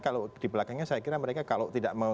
kalau di belakangnya saya kira mereka kalau